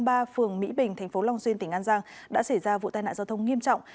phường mỹ bình tp long xuyên tỉnh an giang đã xảy ra vụ tai nạn giao thông nghiêm trọng